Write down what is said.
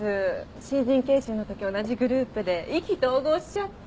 新人研修のとき同じグループで意気投合しちゃって。